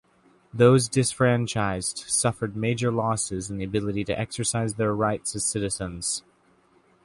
Those disfranchised suffered major losses in the ability to exercise their rights as citizens.